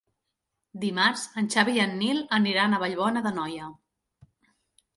Dimarts en Xavi i en Nil aniran a Vallbona d'Anoia.